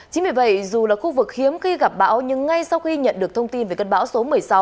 chính vì vậy dù là khu vực hiếm khi gặp bão nhưng ngay sau khi nhận được thông tin về cơn bão số một mươi sáu